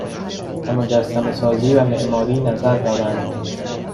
و مجسمهسازی و معماری نظر دارند